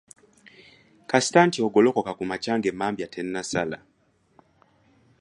Kakasa nti ogolokoka kumakya ng'emmambya tennasala.